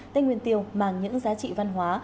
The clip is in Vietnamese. tết nguyên tiêu mang những giá trị văn hóa